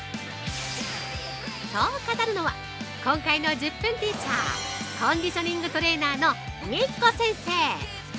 ◆そう語るのは、今回の「１０分ティーチャー」コンディショニングトレーナーのみっこ先生。